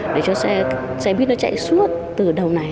để cho xe buýt nó chạy xuống